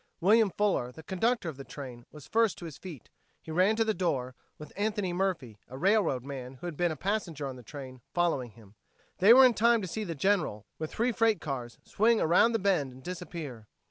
William Fuller, the conductor of the train, was the first to his feet. He ran to the door, with Anthony Murphy, a railroad man who had been a passenger on the train, following him. They were in time to see the General, with three freight cars, swing around the bend and disappear.